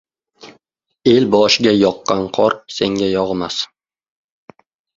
El boshiga yoqdan qor senga yog‘mas